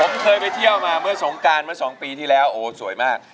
ผมเคยไปเที่ยวมาเมื่อสงการเมื่อ๒ปีที่แล้วโอ้สวยมาก